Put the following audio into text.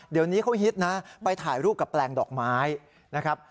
เดี๋ยวนี้เขาฮิตนะไปถ่ายรูปกับแปลงดอกไม้นะครับ